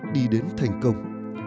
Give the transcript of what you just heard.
đi đến thành công